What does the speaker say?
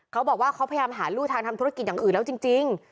เขาบอกว่าเขาพยายามหารู่ทางทำธุรกิจอย่างอื่นแล้วจริง